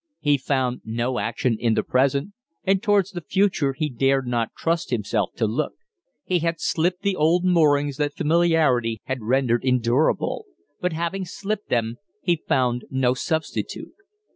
He found no action in the present, and towards the future he dared not trust himself to look. He had slipped the old moorings that familiarity had rendered endurable; but having slipped them, he had found no substitute.